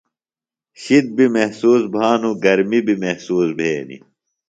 شِد بیۡ محسوس بھانوۡ گرمی بیۡ محسوس بھینیۡ۔